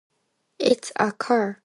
It's a car.